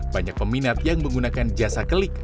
banyak peminat yang menggunakan jasa kelik